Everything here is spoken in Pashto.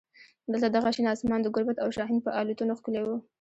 دلته دغه شین اسمان د ګوربت او شاهین په الوتنو ښکلی و.